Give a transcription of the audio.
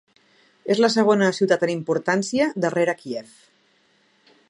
És la segona ciutat en importància darrere Kíev.